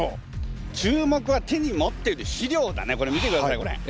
注目は手に持ってる資料だねこれ見てくださいよこれ。